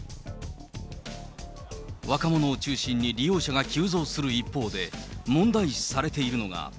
若者を中心に利用者が急増する一方で問題視されているのが。